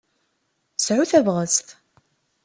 Sɛu tabɣest!